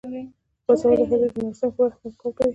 باسواده ښځې د نرسنګ په برخه کې کار کوي.